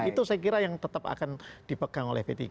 itu saya kira yang tetap akan dipegang oleh p tiga